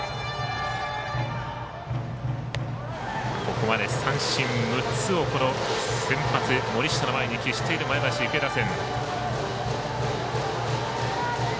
ここまで三振６つを先発、森下の前に喫している前橋育英打線。